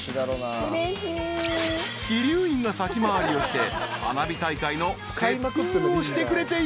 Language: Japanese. ［鬼龍院が先回りをして花火大会のセッティングをしてくれていたのだ］